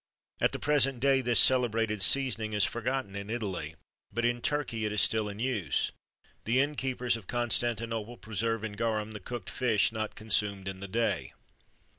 "At the present day this celebrated seasoning is forgotten in Italy, but in Turkey it is still in use. The inn keepers of Constantinople preserve in garum the cooked fish not consumed in the day."